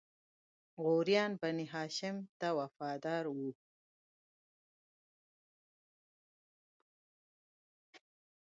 غوریان بنی هاشم ته وفادار وو.